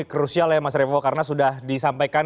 krusial ya mas revo karena sudah disampaikan